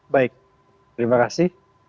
baik terima kasih